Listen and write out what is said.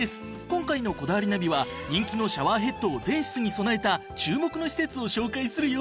今回の『こだわりナビ』は人気のシャワーヘッドを全室に備えた注目の施設を紹介するよ。